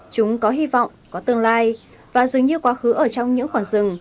chúng có hy vọng có tương lai và dường như quá khứ ở trong những khoảng rừng